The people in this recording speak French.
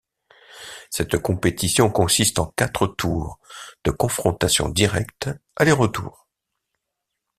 Cette compétition consiste en quatre tours de confrontations directes aller-retour.